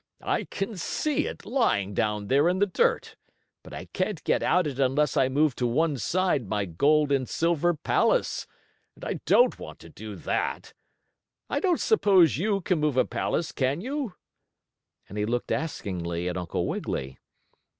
I can see it lying down there in the dirt, but I can't get at it unless I move to one side my gold and silver palace, and I don't want to do that. I don't suppose you can move a palace, can you?" And he looked askingly at Uncle Wiggily.